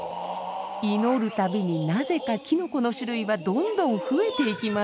祈る度になぜかキノコの種類はどんどん増えていきます。